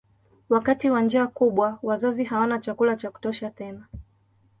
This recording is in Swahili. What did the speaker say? Wakati wa njaa kubwa wazazi hawana chakula cha kutosha tena.